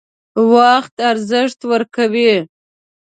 وخت ارزښت ورکړئ